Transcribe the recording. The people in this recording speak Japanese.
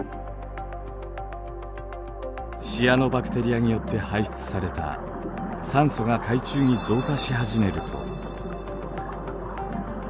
シアノバクテリアによって排出された酸素が海中に増加し始めると。